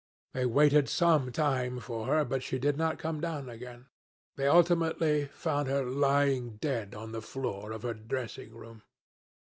They waited some time for her, but she did not come down again. They ultimately found her lying dead on the floor of her dressing room.